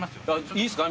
いいですか？